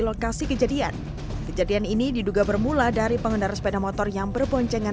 lokasi kejadian kejadian ini diduga bermula dari pengendara sepeda motor yang berboncengan